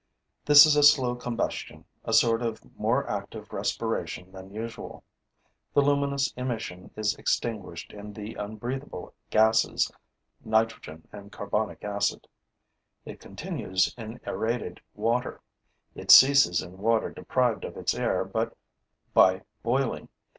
This is a slow combustion, a sort of more active respiration than usual. The luminous emission is extinguished in the unbreathable gases, nitrogen and carbonic acid; it continues in aerated water; it ceases in water deprived of its air by boiling.